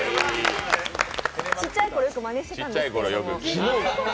小さいころ、よくまねしてたんですけれども。